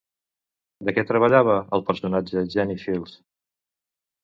De què treballava el personatge Jenny Fields?